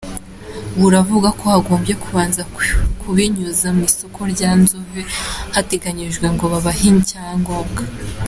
Buravuga ko bagombye kubanza kubinyuza mu isoko rya Nzove hateganyijwe ngo babahe icyangombwa .